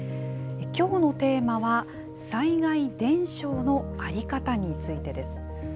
きょうのテーマは、災害伝承の在り方についてです。